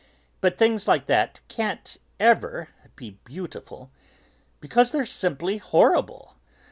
But things like that can't, ever, be beautiful ... because they're simply horrible!